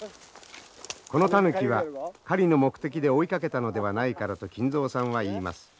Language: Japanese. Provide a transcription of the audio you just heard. このタヌキは狩りの目的で追いかけたのではないからと金蔵さんは言います。